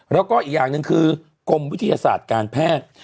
แล้วก็อีกอย่างหนึ่งคือกรมวิทยาศาสตร์การแพทย์